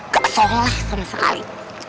gak soleh sama sekali